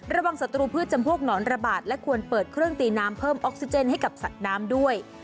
สัตรูพืชจำพวกหนอนระบาดและควรเปิดเครื่องตีน้ำเพิ่มออกซิเจนให้กับสัตว์น้ำด้วย